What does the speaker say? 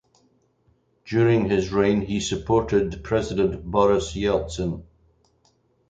During his reign he supported President Boris Yeltsin.